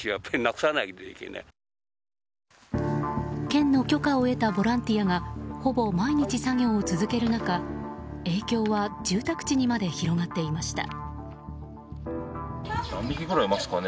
県の許可を得たボランティアがほぼ毎日作業を続ける中影響は住宅地にまで広がっていました。